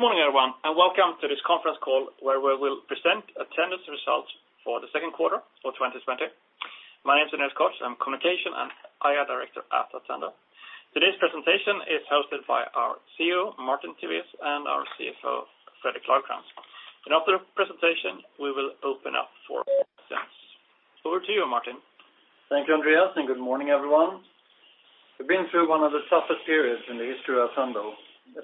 Good morning, everyone, and welcome to this conference call where we will present Attendo results for the second quarter for 2020. My name is Andreas Koch. I'm Communications and IR-Director at Attendo. Today's presentation is hosted by our CEO, Martin Tivéus, and our CFO, Fredrik Lagercrantz, and after the presentation, we will open up for questions. Over to you, Martin. Thank you, Andreas, and good morning, everyone. We've been through one of the toughest periods in the history of Attendo. A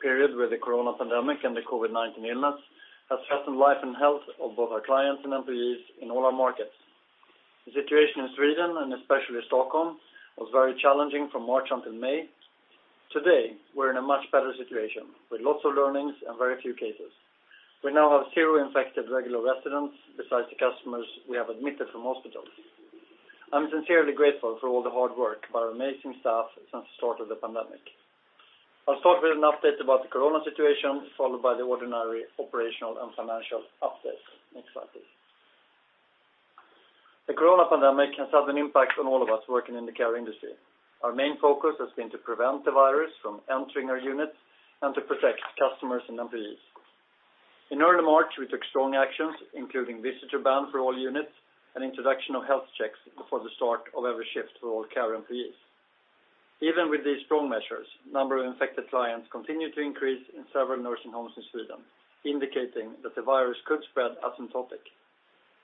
period where the coronavirus pandemic and the COVID-19 illness has threatened life and health of both our clients and employees in all our markets. The situation in Sweden, and especially Stockholm, was very challenging from March until May. Today, we're in a much better situation with lots of learnings and very few cases. We now have zero infected regular residents besides the customers we have admitted from hospitals. I'm sincerely grateful for all the hard work by our amazing staff since the start of the pandemic. I'll start with an update about the corona situation, followed by the ordinary operational and financial updates. Next slide, please. The corona pandemic has had an impact on all of us working in the care industry. Our main focus has been to prevent the virus from entering our units and to protect customers and employees. In early March, we took strong actions, including visitor ban for all units and introduction of health checks before the start of every shift for all care employees. Even with these strong measures, number of infected clients continued to increase in several nursing homes in Sweden, indicating that the virus could spread asymptomatic.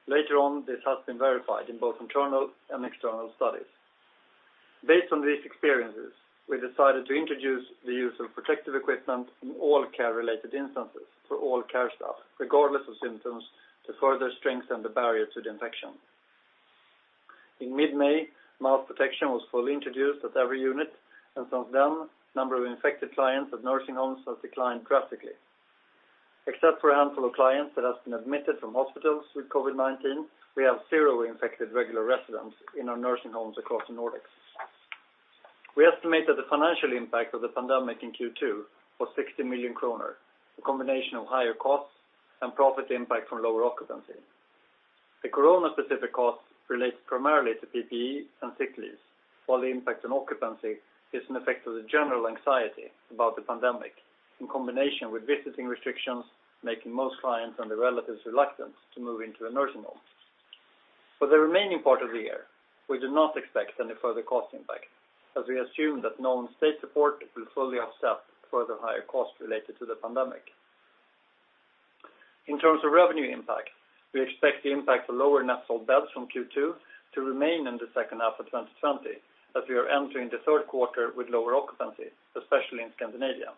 Later on, this has been verified in both internal and external studies. Based on these experiences, we decided to introduce the use of protective equipment in all care-related instances for all care staff, regardless of symptoms, to further strengthen the barrier to the infection. In mid-May, mouth protection was fully introduced at every unit, and since then, number of infected clients at nursing homes has declined drastically. Except for a handful of clients that have been admitted from hospitals with COVID-19, we have zero infected regular residents in our nursing homes across the Nordics. We estimate that the financial impact of the pandemic in Q2 was 60 million kronor, a combination of higher costs and profit impact from lower occupancy. The corona specific costs relates primarily to PPE and sick leaves, while the impact on occupancy is an effect of the general anxiety about the pandemic in combination with visiting restrictions, making most clients and their relatives reluctant to move into a nursing home. For the remaining part of the year, we do not expect any further cost impact, as we assume that known state support will fully offset further higher costs related to the pandemic. In terms of revenue impact, we expect the impact of lower net sold beds from Q2 to remain in the second half of 2020 as we are entering the third quarter with lower occupancy, especially in Scandinavia.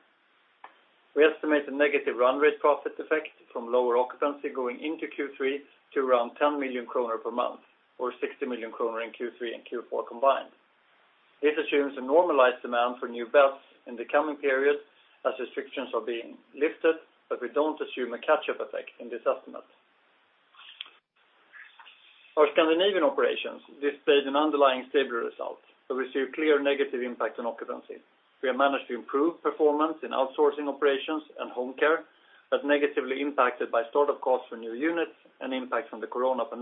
We estimate a negative run rate profit effect from lower occupancy going into Q3 to around 10 million kronor per month, or 60 million kronor in Q3 and Q4 combined. This assumes a normalized demand for new beds in the coming period as restrictions are being lifted, but we don't assume a catch-up effect in this estimate. Our Scandinavian operations displayed an underlying stable result, but we see a clear negative impact on occupancy. We have managed to improve performance in outsourcing operations and home care, but negatively impacted by start-up costs for new units and impact from the COVID-19.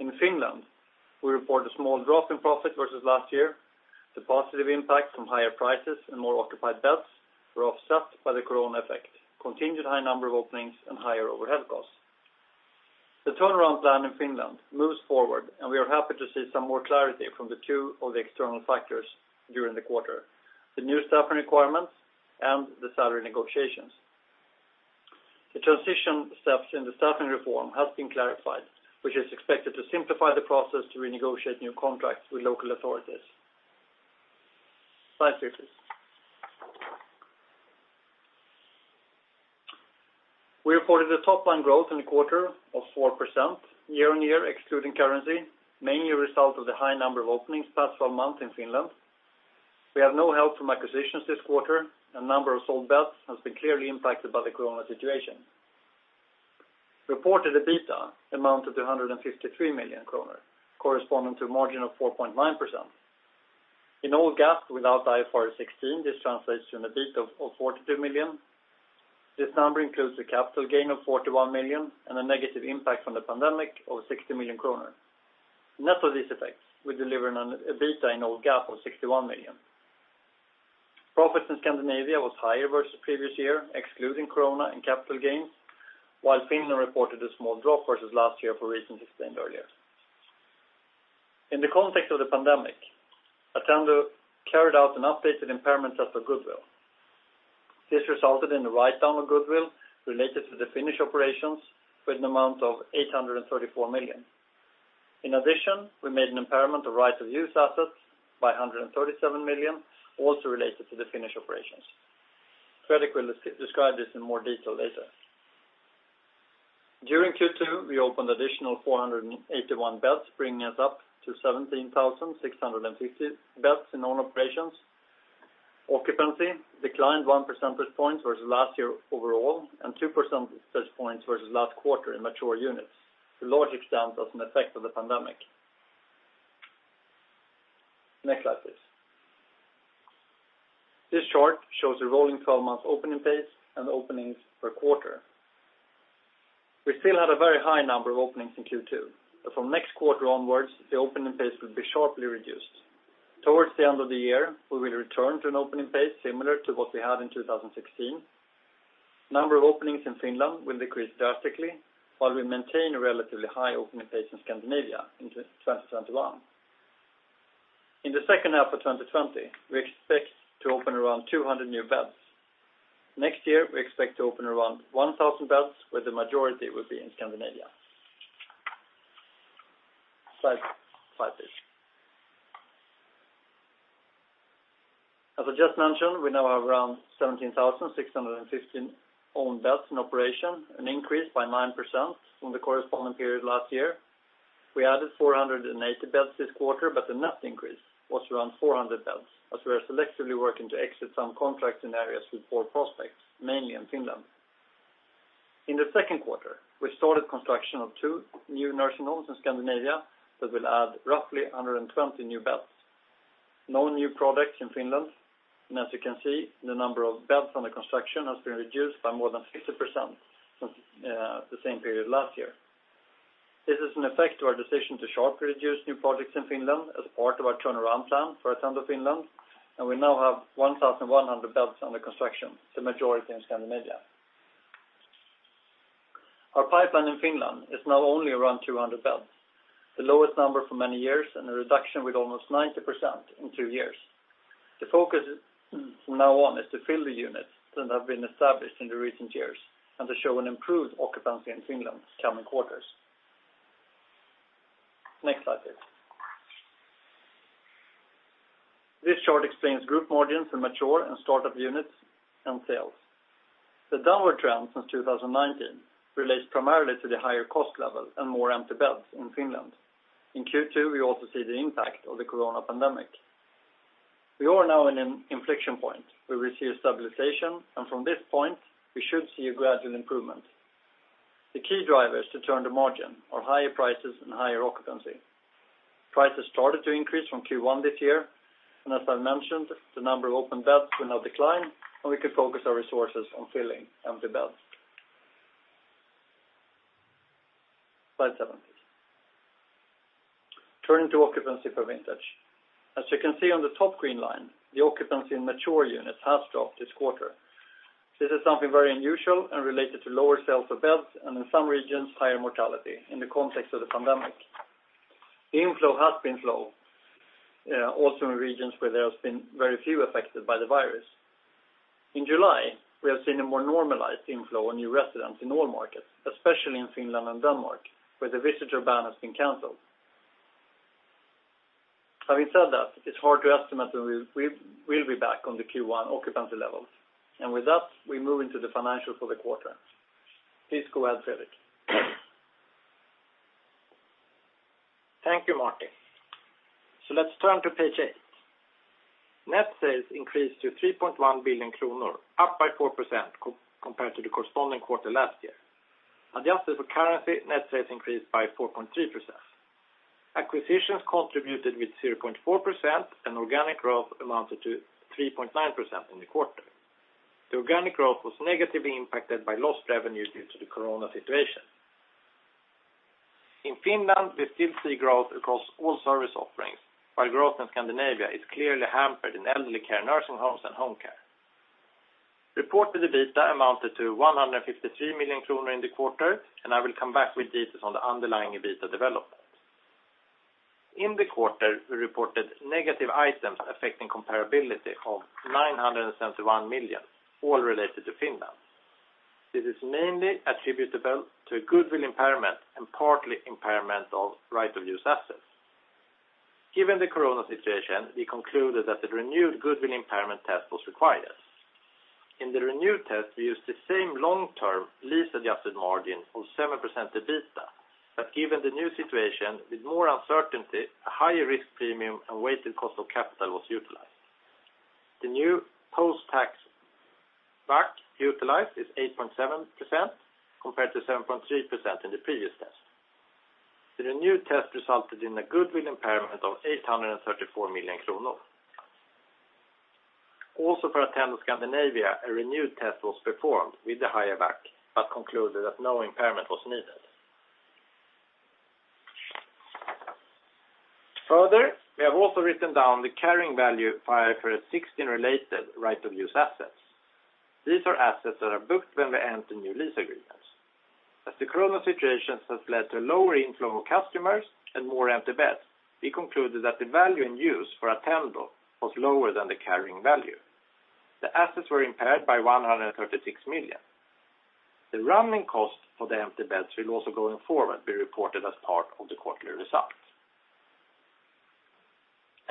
In Finland, we report a small drop in profit versus last year. The positive impact from higher prices and more occupied beds were offset by the corona effect, continued high number of openings, and higher overhead costs. The turnaround plan in Finland moves forward. We are happy to see some more clarity from the two of the external factors during the quarter, the new staffing requirements and the salary negotiations. The transition steps in the staffing reform have been clarified, which is expected to simplify the process to renegotiate new contracts with local authorities. Slide, please. We reported a top-line growth in the quarter of 4% year-on-year excluding currency, mainly a result of the high number of openings past 12 months in Finland. We have no help from acquisitions this quarter. Number of sold beds has been clearly impacted by the corona situation. Reported EBITDA amounted to 153 million kronor, corresponding to a margin of 4.9%. In old GAAP without IFRS 16, this translates to an EBITDA of 42 million. This number includes a capital gain of 41 million and a negative impact from the pandemic of 60 million kronor. Net of these effects, we deliver an EBITDA in old GAAP of 61 million. Profit in Attendo Scandinavia was higher versus the previous year, excluding corona and capital gains, while Attendo Finland reported a small drop versus last year for reasons explained earlier. In the context of the pandemic, Attendo carried out an updated impairment test for goodwill. This resulted in the write-down of goodwill related to the Finnish operations with an amount of 834 million. In addition, we made an impairment of right-of-use assets by 137 million, also related to the Finnish operations. Fredrik will describe this in more detail later. During Q2, we opened additional 481 beds, bringing us up to 17,615 beds in all operations. Occupancy declined 1 percentage point versus last year overall and 2 percentage points versus last quarter in mature units, the largest down as an effect of the pandemic. Next slide, please. This chart shows the rolling 12-month opening pace and openings per quarter. We still had a very high number of openings in Q2. From next quarter onwards, the opening pace will be sharply reduced. Towards the end of the year, we will return to an opening pace similar to what we had in 2016. Number of openings in Finland will decrease drastically, while we maintain a relatively high opening pace in Scandinavia in 2021. In the second half of 2020, we expect to open around 200 new beds. Next year, we expect to open around 1,000 beds, where the majority will be in Scandinavia. Slide, please. As I just mentioned, we now have around 17,615 owned beds in operation, an increase by 9% from the corresponding period last year. We added 480 beds this quarter, the net increase was around 400 beds, as we are selectively working to exit some contracts in areas with poor prospects, mainly in Finland. In the second quarter, we started construction of two new nursing homes in Scandinavia that will add roughly 120 new beds. No new projects in Finland, as you can see, the number of beds under construction has been reduced by more than 60% from the same period last year. This is an effect to our decision to sharply reduce new projects in Finland as part of our turnaround plan for Attendo Finland, we now have 1,100 beds under construction, the majority in Scandinavia. Our pipeline in Finland is now only around 200 beds, the lowest number for many years, and a reduction with almost 90% in two years. The focus from now on is to fill the units that have been established in the recent years, and to show an improved occupancy in Finland coming quarters. Next slide, please. This chart explains group margins in mature and startup units and sales. The downward trend since 2019 relates primarily to the higher cost level and more empty beds in Finland. In Q2, we also see the impact of the corona pandemic. We are now in an inflection point, where we see a stabilization, and from this point, we should see a gradual improvement. The key drivers to turn the margin are higher prices and higher occupancy. Prices started to increase from Q1 this year. As I mentioned, the number of open beds will now decline, and we could focus our resources on filling empty beds. Slide seven, please. Turning to occupancy for vintage. As you can see on the top green line, the occupancy in mature units has dropped this quarter. This is something very unusual and related to lower sales for beds, and in some regions, higher mortality in the context of the pandemic. Inflow has been low, also in regions where there has been very few affected by the virus. In July, we have seen a more normalized inflow of new residents in all markets, especially in Finland and Denmark, where the visitor ban has been canceled. Having said that, it's hard to estimate when we will be back on the Q1 occupancy levels. With that, we move into the financials for the quarter. Please go ahead, Fredrik. Thank you, Martin. Let's turn to page eight. Net sales increased to 3.1 billion kronor, up by 4% compared to the corresponding quarter last year. Adjusted for currency, net sales increased by 4.3%. Acquisitions contributed with 0.4%, and organic growth amounted to 3.9% in the quarter. The organic growth was negatively impacted by lost revenues due to the corona situation. In Finland, we still see growth across all service offerings, while growth in Scandinavia is clearly hampered in elderly care nursing homes and home care. Reported EBITDA amounted to 153 million kronor in the quarter, and I will come back with details on the underlying EBITDA development. In the quarter, we reported negative items affecting comparability of 971 million, all related to Finland. This is mainly attributable to a goodwill impairment and partly impairment of right-of-use assets. Given the corona situation, we concluded that a renewed goodwill impairment test was required. In the renewed test, we used the same long-term lease-adjusted margin of 7% EBITDA, but given the new situation with more uncertainty, a higher risk premium and weighted cost of capital was utilized. The new post-tax WACC utilized is 8.7% compared to 7.3% in the previous test. The renewed test resulted in a goodwill impairment of SEK 834 million. Also for Attendo Scandinavia, a renewed test was performed with the higher WACC, but concluded that no impairment was needed. Further, we have also written down the carrying value of IFRS 16-related right-of-use assets. These are assets that are booked when we enter new lease agreements. As the corona situation has led to a lower inflow of customers and more empty beds, we concluded that the value in use for Attendo was lower than the carrying value. The assets were impaired by 136 million. The running cost for the empty beds will also going forward be reported as part of the quarterly results.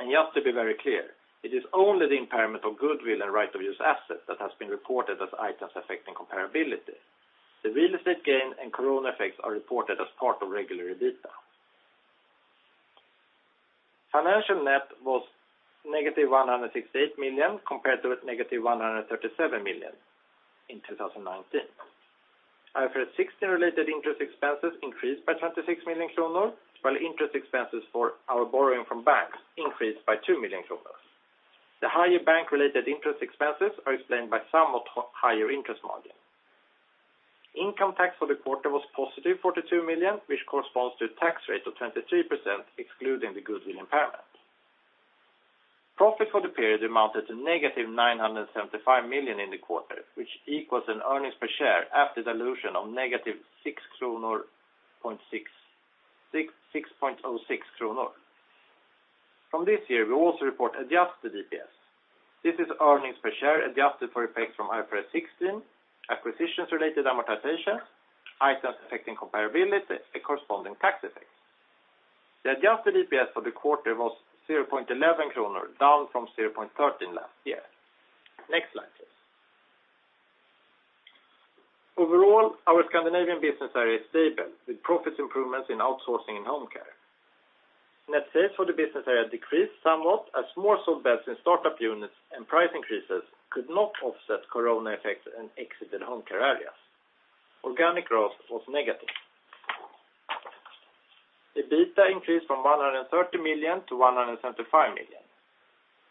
Just to be very clear, it is only the impairment of goodwill and right-of-use assets that has been reported as items affecting comparability. The real estate gain and corona effects are reported as part of regular EBITDA. Financial net was -168 million compared to a -137 million in 2019. IFRS 16-related interest expenses increased by 26 million kronor, while interest expenses for our borrowing from banks increased by 2 million kronor. The higher bank-related interest expenses are explained by somewhat higher interest margin. Income tax for the quarter was +42 million, which corresponds to a tax rate of 23%, excluding the goodwill impairment. Profit for the period amounted to -975 million in the quarter, which equals an earnings per share after dilution of -6.06 kronor. From this year, we also report adjusted EPS. This is earnings per share adjusted for effects from IFRS 16, acquisitions related amortization, items affecting comparability, and corresponding tax effects. The adjusted EPS for the quarter was 0.11 kronor, down from 0.13 last year. Next slide, please. Overall, our Scandinavian business area is stable with profits improvements in outsourcing and home care. Net sales for the business area decreased somewhat as more sold beds in startup units and price increases could not offset Corona effects and exited home care areas. Organic growth was negative. EBITDA increased from 130 million to 175 million.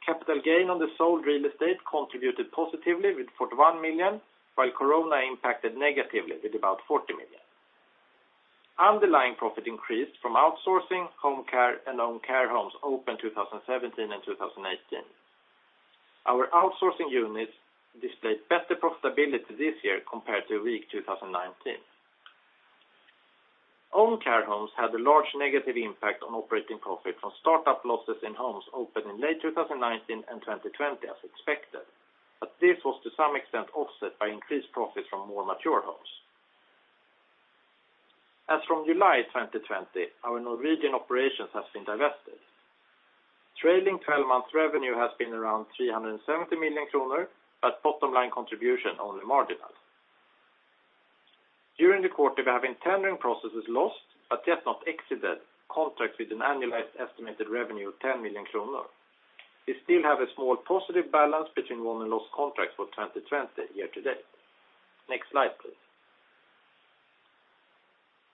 Capital gain on the sold real estate contributed positively with 41 million, while Corona impacted negatively with about 40 million. Underlying profit increased from outsourcing, home care, and own care homes opened 2017 and 2018. Our outsourcing units displayed better profitability this year compared to weak 2019. Own care homes had a large negative impact on operating profit from startup losses in homes opened in late 2019 and 2020 as expected, but this was to some extent offset by increased profits from more mature homes. As from July 2020, our Norwegian operations have been divested. Trailing 12 months revenue has been around 370 million kronor, but bottom-line contribution only marginal. During the quarter, we have in tendering processes lost, but yet not exited, contracts with an annualized estimated revenue of 10 million kronor. We still have a small positive balance between won and lost contracts for 2020 year to date. Next slide, please.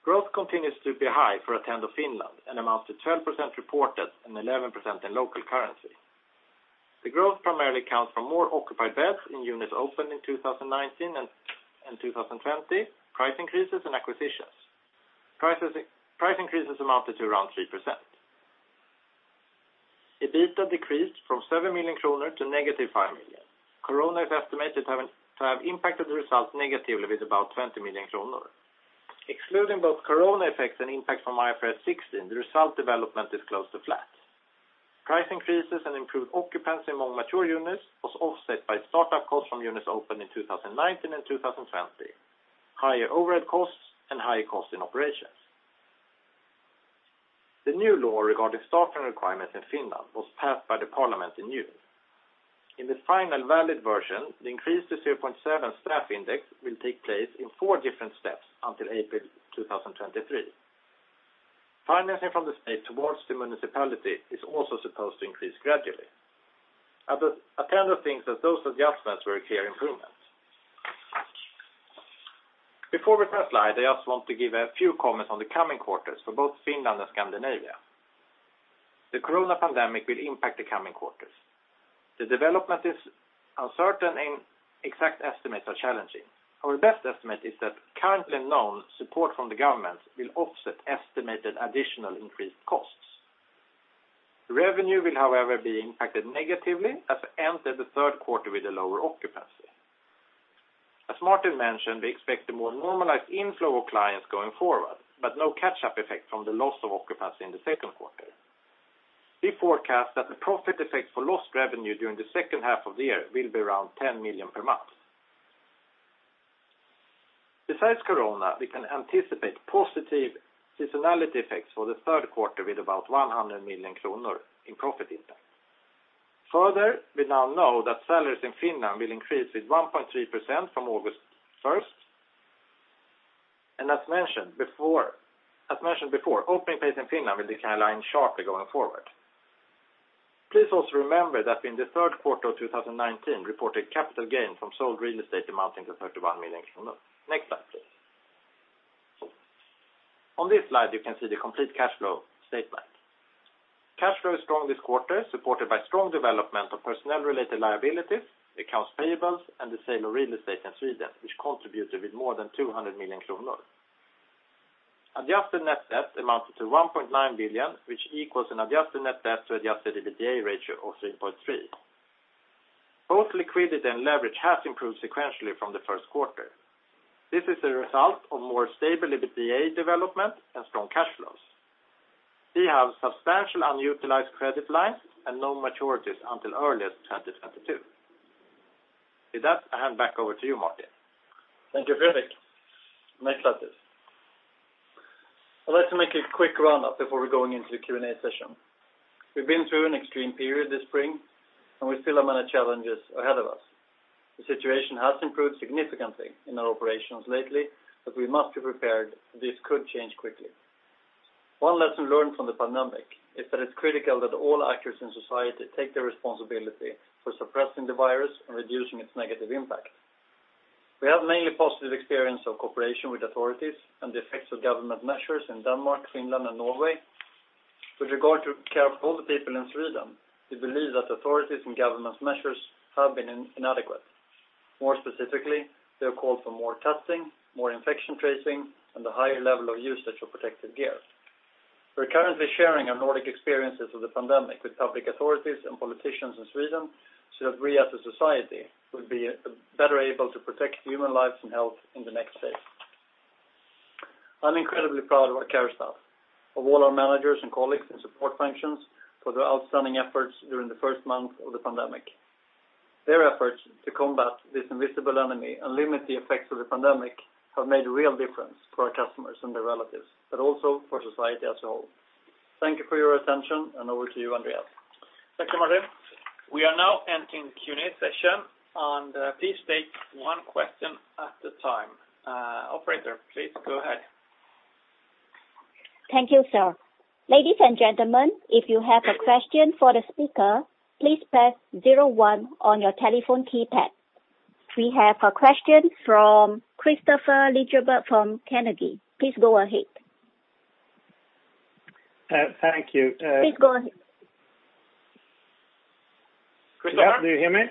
Growth continues to be high for Attendo Finland and amounts to 12% reported and 11% in local currency. The growth primarily comes from more occupied beds in units opened in 2019 and 2020, price increases, and acquisitions. Price increases amounted to around 3%. EBITDA decreased from 7 million kronor to -5 million. Corona is estimated to have impacted the results negatively with about 20 million kronor. Excluding both corona effects and impact from IFRS 16, the result development is close to flat. Price increases and improved occupancy among mature units was offset by startup costs from units opened in 2019 and 2020, higher overhead costs, and higher costs in operations. The new law regarding staffing requirements in Finland was passed by the parliament in June. In the final valid version, the increase to 0.7 staff index will take place in four different steps until April 2023. Financing from the state towards the municipality is also supposed to increase gradually. Attendo thinks that those adjustments were a clear improvement. Before we press live, I just want to give a few comments on the coming quarters for both Finland and Scandinavia. The corona pandemic will impact the coming quarters. The development is uncertain and exact estimates are challenging. Our best estimate is that currently known support from the government will offset estimated additional increased costs. Revenue will, however, be impacted negatively as we enter the third quarter with a lower occupancy. As Martin mentioned, we expect a more normalized inflow of clients going forward, but no catch-up effect from the loss of occupancy in the second quarter. We forecast that the profit effect for lost revenue during the second half of the year will be around 10 million per month. Besides corona, we can anticipate positive seasonality effects for the third quarter with about 100 million kronor in profit impact. We now know that salaries in Finland will increase with 1.3% from August 1st, and as mentioned before, opening pace in Finland will decline sharply going forward. Please also remember that in the third quarter of 2019, reported capital gain from sold real estate amounting to 31 million kronor. Next slide, please. On this slide, you can see the complete cash flow statement. Cash flow is strong this quarter, supported by strong development of personnel-related liabilities, accounts payables, and the sale of real estate in Sweden, which contributed with more than 200 million kronor. Adjusted net debt amounted to 1.9 billion, which equals an adjusted net debt to adjusted EBITDA ratio of 3.3. Both liquidity and leverage has improved sequentially from the first quarter. This is a result of more stable EBITDA development and strong cash flows. We have substantial unutilized credit lines and no maturities until early 2022. With that, I hand back over to you, Martin. Thank you, Fredrik. Next slide, please. I'd like to make a quick roundup before we go into the Q&A session. We've been through an extreme period this spring, we still have many challenges ahead of us. The situation has improved significantly in our operations lately, we must be prepared that this could change quickly. One lesson learned from the pandemic is that it's critical that all actors in society take their responsibility for suppressing the virus and reducing its negative impact. We have mainly positive experience of cooperation with authorities and the effects of government measures in Denmark, Finland, and Norway. With regard to care of older people in Sweden, we believe that authorities and government's measures have been inadequate. More specifically, they have called for more testing, more infection tracing, and a higher level of usage of protective gear. We're currently sharing our Nordic experiences of the pandemic with public authorities and politicians in Sweden so that we as a society will be better able to protect human lives and health in the next phase. I'm incredibly proud of our care staff, of all our managers and colleagues in support functions for their outstanding efforts during the first month of the pandemic. Their efforts to combat this invisible enemy and limit the effects of the pandemic have made a real difference for our customers and their relatives, but also for society as a whole. Thank you for your attention, and over to you, Andreas. Thank you, Martin. We are now entering Q&A session, and please state one question at a time. Operator, please go ahead. Thank you, sir. Ladies and gentlemen, if you have a question for the speaker, please press zero one on your telephone keypad. We have a question from Kristofer Liljeberg from Carnegie. Please go ahead. Thank you. Please go ahead. Kristofer? Do you hear me?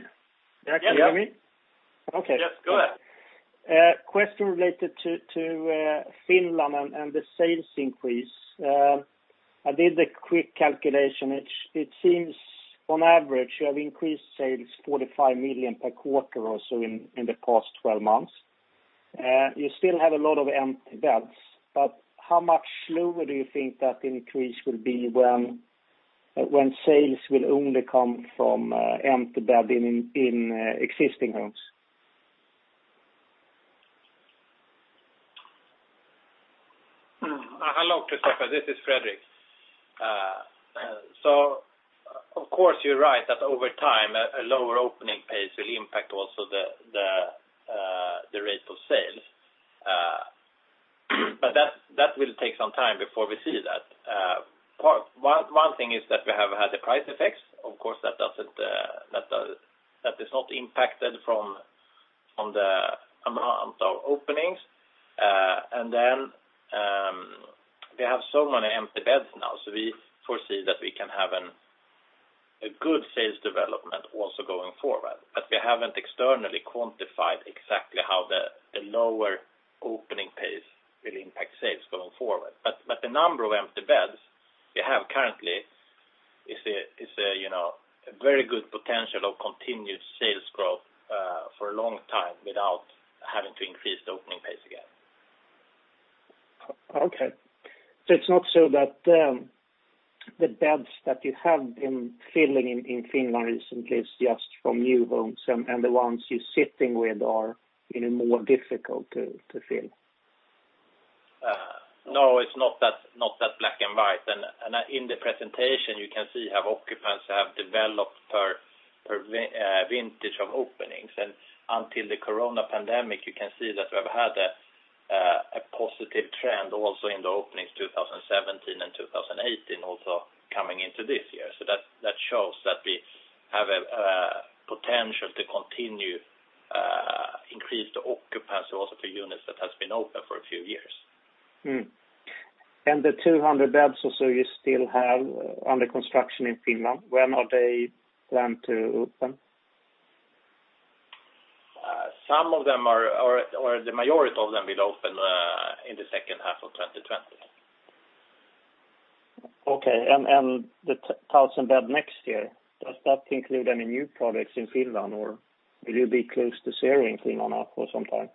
Yes. Can you hear me? Yes, go ahead. Question related to Finland and the sales increase. I did a quick calculation. It seems on average you have increased sales 45 million per quarter or so in the past 12 months. You still have a lot of empty beds, how much slower do you think that increase will be when sales will only come from empty bed in existing homes? Hello, Kristofer. This is Fredrik. Of course, you're right that over time, a lower opening pace will impact also the rate of sales. That will take some time before we see that. One thing is that we have had the price effects. Of course, that is not impacted from the amount of openings. Then we have so many empty beds now, we foresee that we can have a good sales development also going forward. We haven't externally quantified exactly how the lower opening pace will impact sales going forward. The number of empty beds we have currently is a very good potential of continued sales growth for a long time without having to increase the opening pace again. Okay. It's not so that the beds that you have been filling in Finland recently is just from new homes and the ones you're sitting with are more difficult to fill? No, it's not that black and white. In the presentation, you can see how occupants have developed per vintage of openings. Until the corona pandemic, you can see that we have had a positive trend also in the openings 2017 and 2018 also coming into this year. That shows that we have a potential to continue increase the occupancy also for units that has been open for a few years. The 200 beds or so you still have under construction in Finland, when are they planned to open? Some of them or the majority of them will open in the second half of 2020. Okay. The 1,000 bed next year, does that include any new projects in Finland, or will you be close to zero in Finland for some time?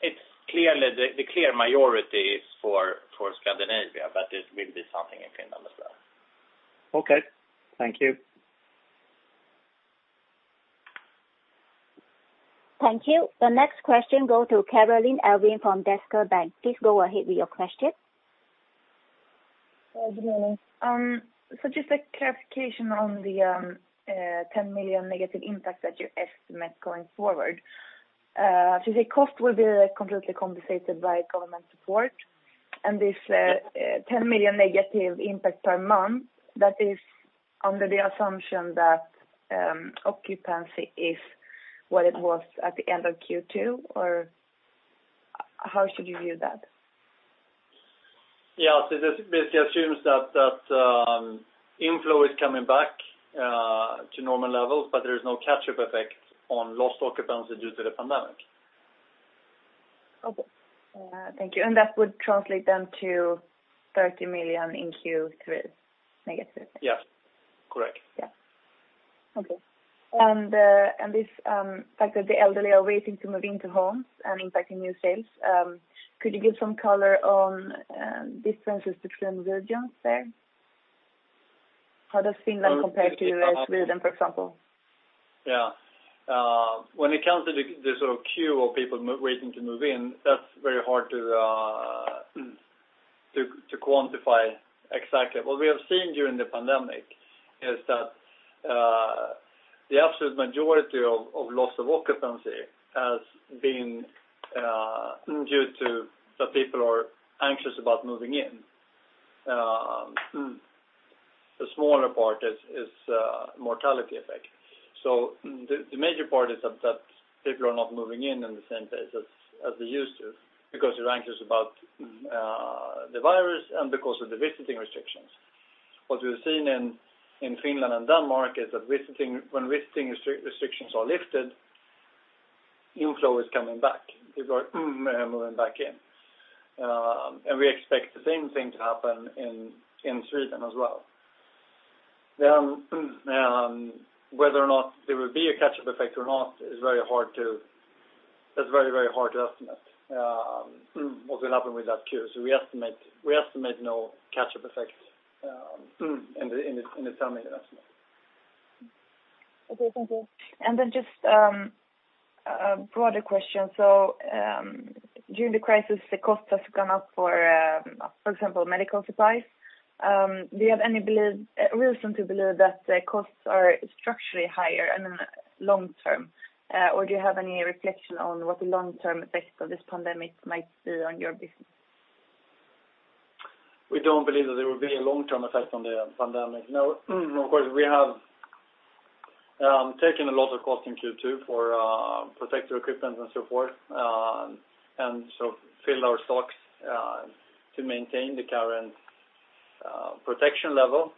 The clear majority is for Scandinavia, but it will be something in Finland as well. Okay. Thank you. Thank you. The next question go to Caroline Lézardière from Danske Bank. Please go ahead with your question. Good morning. Just a clarification on the 10 million negative impact that you estimate going forward. The cost will be completely compensated by government support, and this 10 million negative impact per month, that is under the assumption that occupancy is what it was at the end of Q2, or how should we view that? Yes. This basically assumes that inflow is coming back to normal levels, but there is no catch-up effect on lost occupancy due to the pandemic. Okay. Thank you. That would translate then to 30 million in Q3 negative? Yes. Correct. Yeah. Okay. This fact that the elderly are waiting to move into homes and impacting new sales, could you give some color on differences between regions there? How does Attendo Finland compare to rest of Sweden, for example? Yeah. When it comes to this queue of people waiting to move in, that's very hard to quantify exactly. What we have seen during the pandemic is that the absolute majority of loss of occupancy has been due to the people are anxious about moving in. The smaller part is mortality effect. The major part is that people are not moving in the same pace as they used to, because they're anxious about the virus and because of the visiting restrictions. What we've seen in Finland and Denmark is that when visiting restrictions are lifted, inflow is coming back. People are moving back in. We expect the same thing to happen in Sweden as well. Whether or not there will be a catch-up effect or not, that's very hard to estimate what will happen with that curve. We estimate no catch-up effect in the summary investment. Okay, thank you. Just a broader question. During the crisis, the cost has gone up for example, medical supplies. Do you have any reason to believe that the costs are structurally higher in the long term? Or do you have any reflection on what the long-term effects of this pandemic might be on your business? We don't believe that there will be a long-term effect on the pandemic. No. Of course, we have taken a lot of cost in Q2 for protective equipment and so forth. Filled our stocks to maintain the current protection level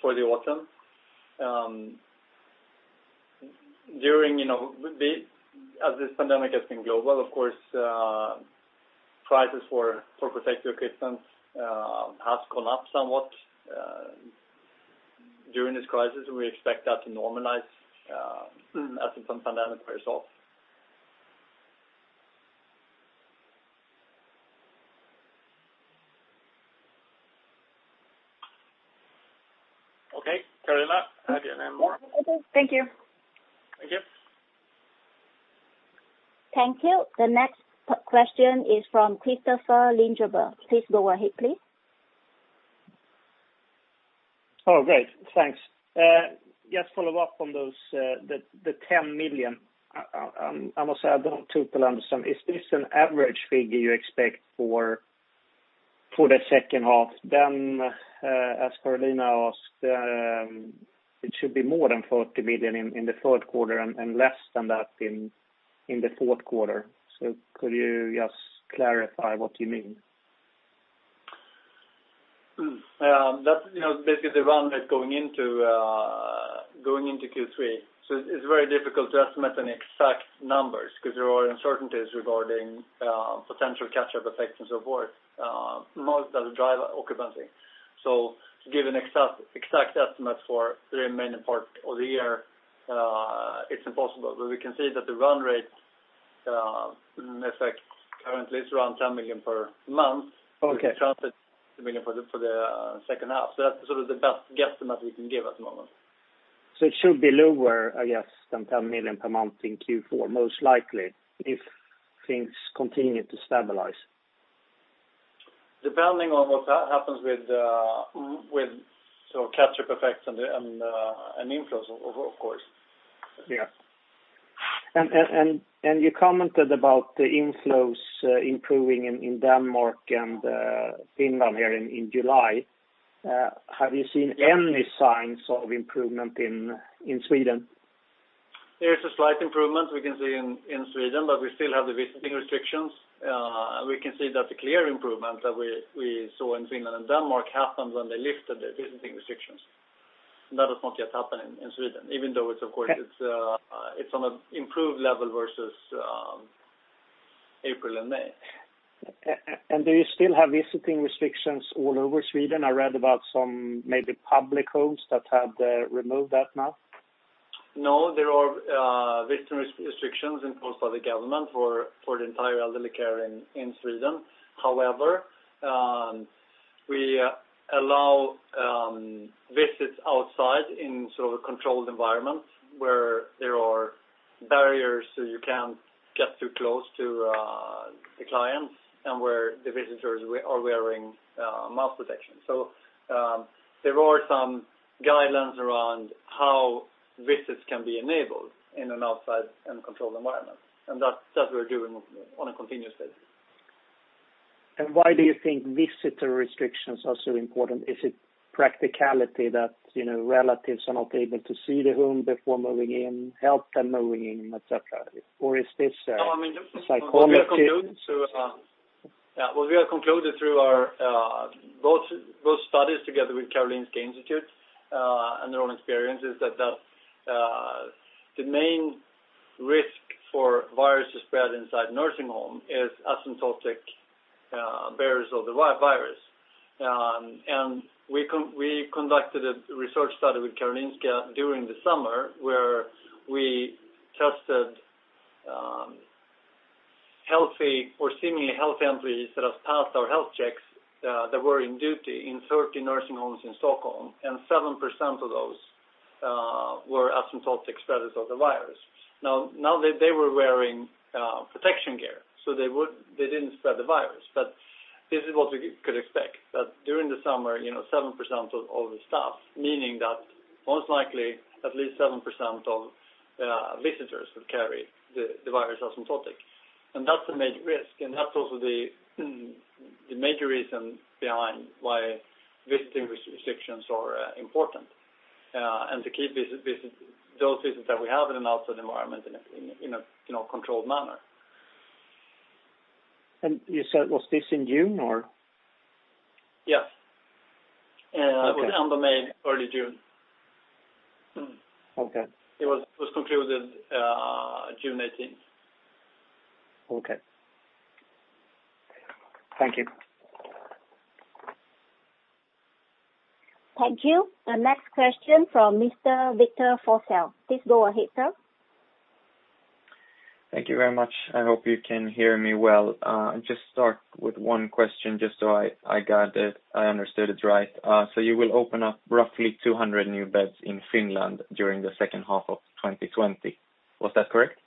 for the autumn. As this pandemic has been global, of course, prices for protective equipment has gone up somewhat during this crisis. We expect that to normalize as the pandemic wears off. Okay, Caroline. I have one more. Okay. Thank you. Thank you. Thank you. The next question is from Kristofer Liljeberg. Please go ahead, please. Oh, great. Thanks. Just follow up on those, the 10 million. I must say I don't totally understand. Is this an average figure you expect for the second half? As Caroline asked it should be more than 40 million in the third quarter and less than that in the fourth quarter. Could you just clarify what you mean? That's basically the run rate going into Q3. It's very difficult to estimate an exact numbers because there are uncertainties regarding potential catch-up effects and so forth. Most that drive occupancy. To give an exact estimate for the remaining part of the year it's impossible. We can see that the run rate effect currently is around 10 million per month. Okay. Which translates to 60 million for the second half. That's sort of the best guesstimate we can give at the moment. It should be lower, I guess, than 10 million per month in Q4, most likely if things continue to stabilize. Depending on what happens with catch-up effects and inflows of course. Yes. You commented about the inflows improving in Denmark and Finland here in July. Have you seen any signs of improvement in Sweden? There's a slight improvement we can see in Sweden, but we still have the visiting restrictions. We can see that the clear improvement that we saw in Finland and Denmark happened when they lifted the visiting restrictions. That has not yet happened in Sweden, it's on an improved level versus April and May. Do you still have visiting restrictions all over Sweden? I read about some maybe public homes that have removed that now. There are visiting restrictions imposed by the government for the entire elderly care in Sweden. We allow visits outside in sort of a controlled environment where there are barriers so you can't get too close to the clients and where the visitors are wearing mask protection. There are some guidelines around how visits can be enabled in and outside in a controlled environment. That we're doing on a continuous basis. Why do you think visitor restrictions are so important? Is it practicality that relatives are not able to see the home before moving in, help them moving in, et cetera? Is this psychology? What we have concluded through our both studies together with Karolinska Institutet and their own experience is that the main risk for virus spread inside nursing home is asymptomatic bearers of the virus. We conducted a research study with Karolinska during the summer where we tested healthy or seemingly healthy employees that have passed our health checks that were in duty in 30 nursing homes in Stockholm, and 7% of those were asymptomatic spreaders of the virus. Now they were wearing protection gear, so they didn't spread the virus. This is what we could expect, that during the summer 7% of all the staff, meaning that most likely at least 7% of visitors will carry the virus asymptomatic. That's the major risk, and that's also the major reason behind why visiting restrictions are important, and to keep those visits that we have in an outside environment in a controlled manner. You said, was this in June? Yes. It was end of May, early June. Okay. It was concluded June 18th. Okay. Thank you. Thank you. The next question from Mr. Victor Forssell. Please go ahead, sir. Thank you very much. I hope you can hear me well. I'll just start with one question just so I understood it right. You will open up roughly 200 new beds in Finland during the second half of 2020. Was that correct?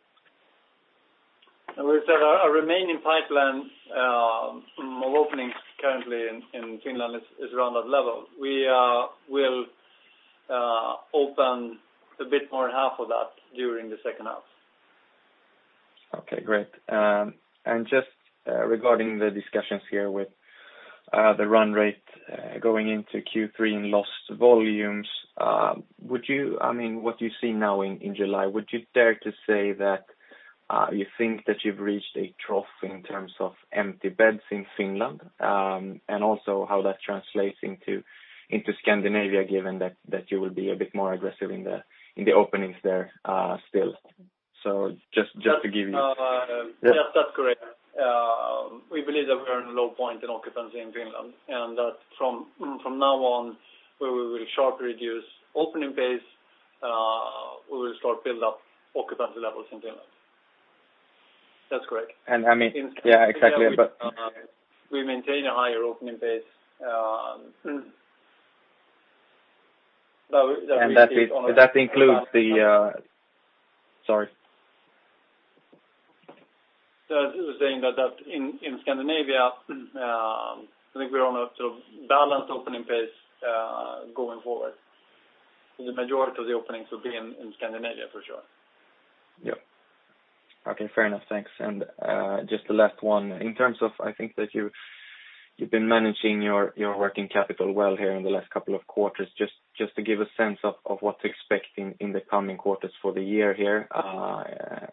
I would say our remaining pipeline of openings currently in Finland is around that level. We will open a bit more than half of that during the second half. Okay, great. Just regarding the discussions here with the run rate going into Q3 and lost volumes, what do you see now in July? Would you dare to say that you think that you've reached a trough in terms of empty beds in Finland? Also how that translates into Scandinavia, given that you will be a bit more aggressive in the openings there still. Yes, that's correct. We believe that we're in a low point in occupancy in Finland, that from now on, where we will sharply reduce opening base, we will start build up occupancy levels in Finland. That's correct. I mean, Yeah, exactly. We maintain a higher opening base. That includes the Sorry. I was saying that in Scandinavia, I think we're on a sort of balanced opening base going forward. The majority of the openings will be in Scandinavia for sure. Yep. Okay, fair enough. Thanks. Just the last one. In terms of, I think that you've been managing your working capital well here in the last couple of quarters. Just to give a sense of what to expect in the coming quarters for the year here,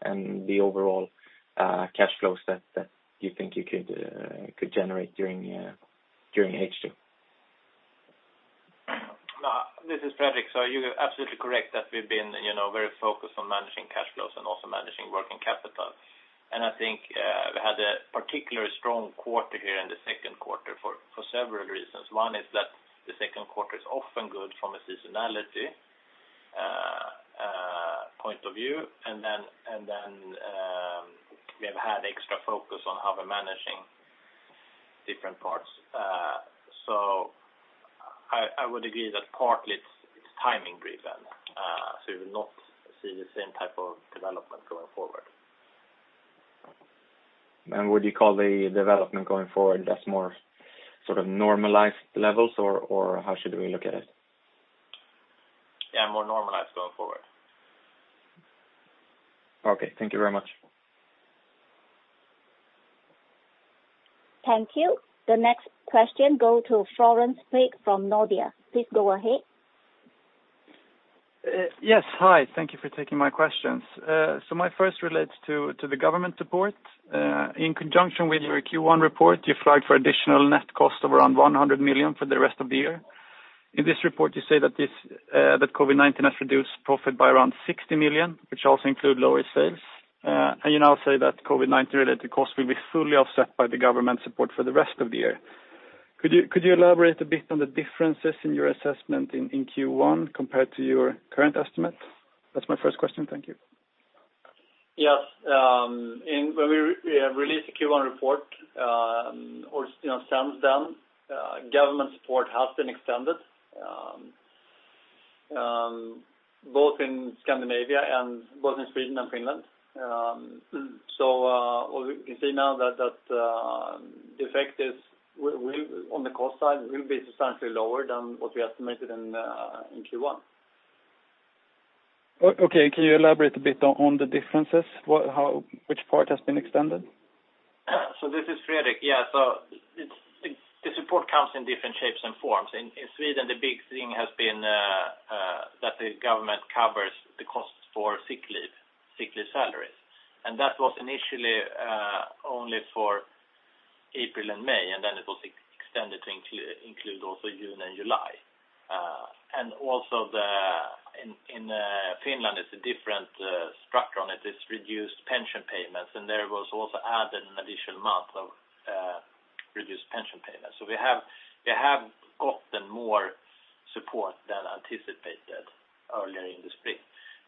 and the overall cash flows that you think you could generate during H2. This is Fredrik. You're absolutely correct that we've been very focused on managing cash flows and also managing working capital. I think we had a particularly strong quarter here in the second quarter for several reasons. One is that the second quarter is often good from a seasonality point of view, and then we have had extra focus on how we're managing different parts. I would agree that partly it's timing driven. We will not see the same type of development going forward. Would you call the development going forward as more sort of normalized levels, or how should we look at it? Yeah, more normalized going forward. Okay. Thank you very much. Thank you. The next question go to Oliver Flank from Nordea. Please go ahead. Yes, hi. Thank you for taking my questions. My first relates to the government support. In conjunction with your Q1 report, you flagged for additional net cost of around 100 million for the rest of the year. In this report, you say that COVID-19 has reduced profit by around 60 million, which also include lower sales. You now say that COVID-19 related costs will be fully offset by the government support for the rest of the year. Could you elaborate a bit on the differences in your assessment in Q1 compared to your current estimate? That's my first question. Thank you. Yes. When we released the Q1 report, or since then, government support has been extended, both in Scandinavia and both in Sweden and Finland. What we can see now that the effect on the cost side will be substantially lower than what we estimated in Q1. Okay. Can you elaborate a bit on the differences? Which part has been extended? This is Fredrik. Yeah. The support comes in different shapes and forms. In Sweden, the big thing has been that the government covers the cost for sick leave salaries. That was initially only for April and May, then it was extended to include also June and July. Also in Finland, it's a different structure on it's reduced pension payments, and there was also added an additional month of reduced pension payments. We have gotten more support than anticipated earlier in the spring.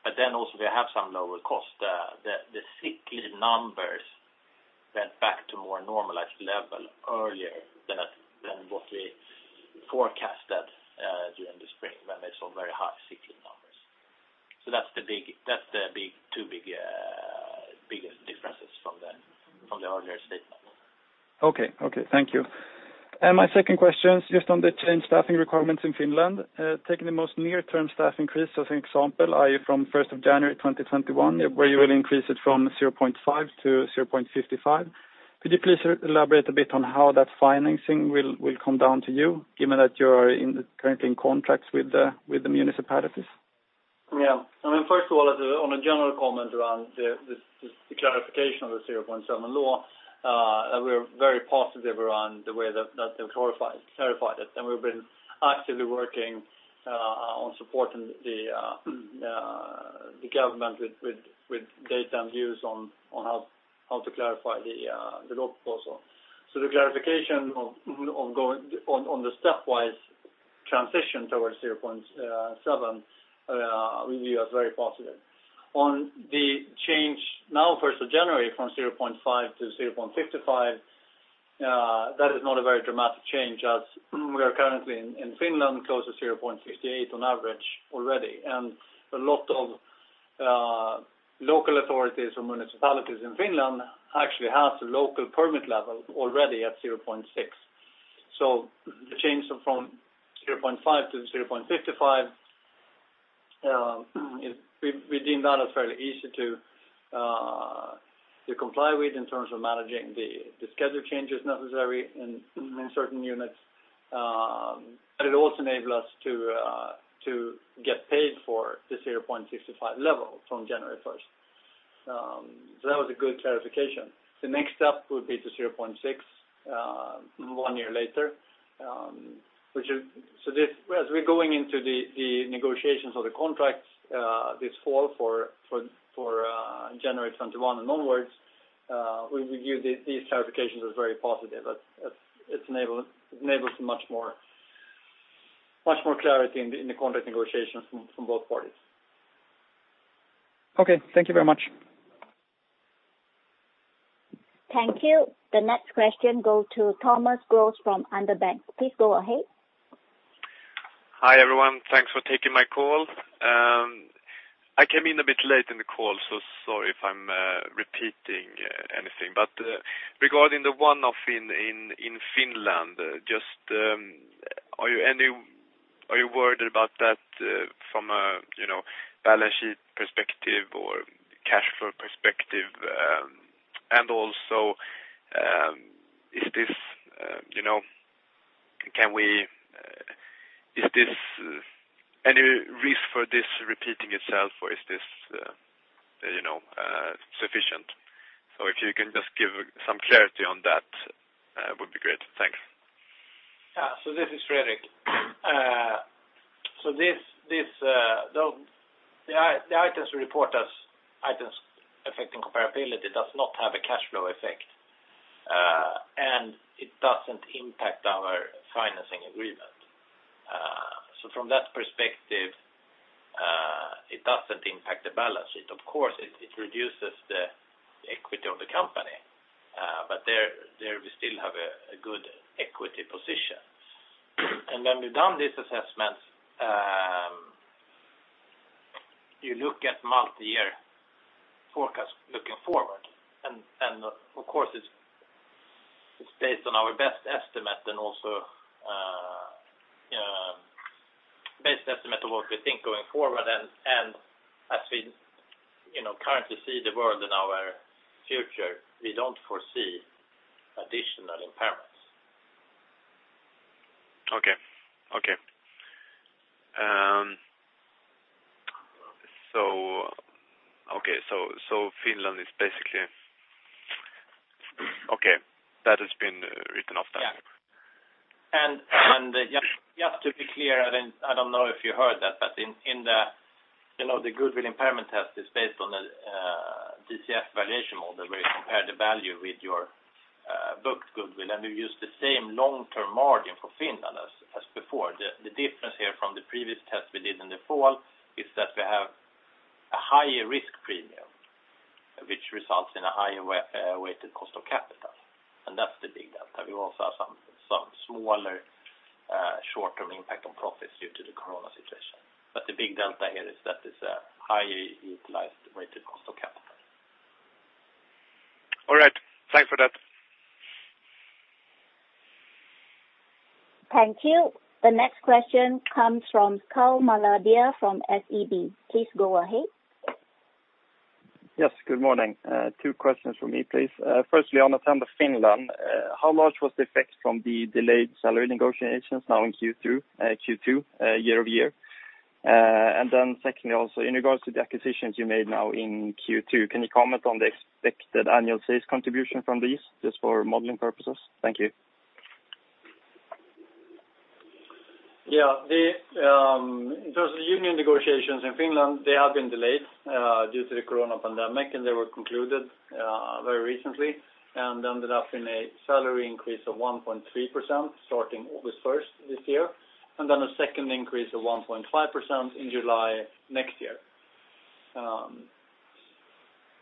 Also we have some lower costs. The sick leave numbers went back to more normalized level earlier forecast that during the spring when they saw very high sick leave numbers. That's the two biggest differences from the earlier statement. Okay. Thank you. My second question is just on the change staffing requirements in Finland. Taking the most near-term staff increase as an example, are you from 1st of January 2021, where you will increase it from 0.5 to 0.55? Could you please elaborate a bit on how that financing will come down to you given that you are currently in contracts with the municipalities? First of all, on a general comment around the clarification of the 0.7 law, we are very positive around the way that they've clarified it, and we've been actively working on supporting the government with data and views on how to clarify the law proposal. The clarification on the stepwise transition towards 0.7, we view as very positive. On the change now, 1st of January, from 0.5 to 0.55, that is not a very dramatic change as we are currently in Finland, close to 0.58 on average already. A lot of local authorities or municipalities in Finland actually have the local permit level already at 0.6. The change from 0.5 to 0.55, we deemed that as fairly easy to comply with in terms of managing the schedule changes necessary in certain units. It also enabled us to get paid for the 0.55 level from January 1st. That was a good clarification. The next step will be to 0.6 one year later. We're going into the negotiations of the contracts this fall for January 21 and onwards, we view these clarifications as very positive. It enables much more clarity in the contract negotiations from both parties. Okay. Thank you very much. Thank you. The next question go to Thomas Graf from Handelsbanken. Please go ahead. Hi, everyone. Thanks for taking my call. I came in a bit late in the call, so sorry if I'm repeating anything. Regarding the one-off in Finland, are you worried about that from a balance sheet perspective or cash flow perspective? Also, any risk for this repeating itself or is this sufficient? If you can just give some clarity on that would be great. Thanks. Yeah. This is Fredrik. The items we report as items affecting comparability does not have a cash flow effect, and it doesn't impact our financing agreement. From that perspective, it doesn't impact the balance sheet. Of course, it reduces the equity of the company. There we still have a good equity position. When we've done these assessments, you look at multi-year forecast looking forward. Of course, it's based on our best estimate and also best estimate of what we think going forward. As we currently see the world in our future, we don't foresee additional impairments. Okay. Finland is basically Okay. That has been written off then. Yeah. Just to be clear, I don't know if you heard that, but the goodwill impairment test is based on a DCF valuation model where you compare the value with your booked goodwill, and we use the same long-term margin for Finland as before. The difference here from the previous test we did in the fall is that we have a higher risk premium, which results in a higher weighted cost of capital, and that's the big delta. We also have some smaller short-term impact on profits due to the corona situation. The big delta here is that it's a highly utilized weighted cost of capital. All right. Thanks for that. Thank you. The next question comes from Karl Malmström from SEB. Please go ahead. Yes, good morning. Two questions from me, please. Firstly, on Attendo Finland, how large was the effect from the delayed salary negotiations now in Q2 year-over-year? Secondly, also, in regards to the acquisitions you made now in Q2, can you comment on the expected annual sales contribution from these, just for modeling purposes? Thank you. Yeah. In terms of union negotiations in Finland, they have been delayed due to the corona pandemic. They were concluded very recently and ended up in a salary increase of 1.3% starting August 1st this year, then a second increase of 1.5% in July next year.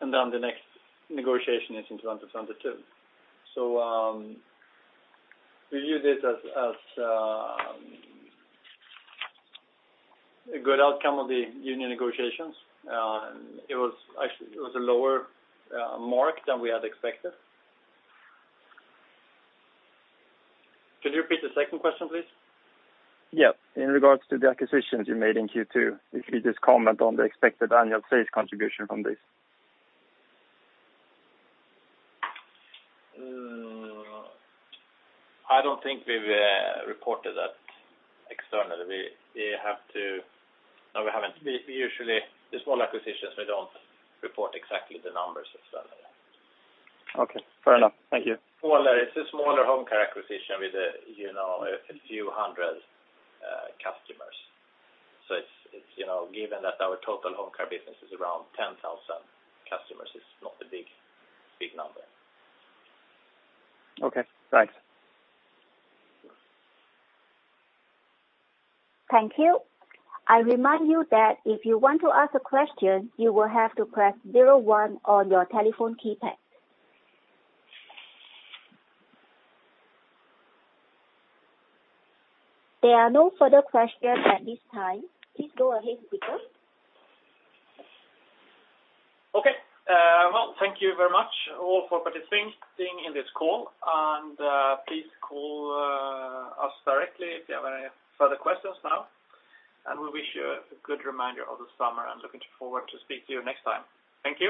The next negotiation is in 2022. We view this as a good outcome of the union negotiations. It was a lower mark than we had expected. Could you repeat the second question, please? Yeah. In regards to the acquisitions you made in Q2, if you just comment on the expected annual sales contribution from this? I don't think we've reported that externally. No, we haven't. The small acquisitions, we don't report exactly the numbers externally. Okay. Fair enough. Thank you. It's a smaller home care acquisition with a few hundred customers. Given that our total home care business is around 10,000 customers, it's not a big number. Okay. Thanks. Thank you. I remind you that if you want to ask a question, you will have to press zero one on your telephone keypad. There are no further questions at this time. Please go ahead, speakers. Okay. Well, thank you very much all for participating in this call. Please call us directly if you have any further questions now. We wish you a good remainder of the summer and looking forward to speak to you next time. Thank you.